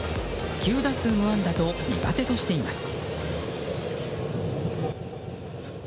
９打数無安打と苦手としています。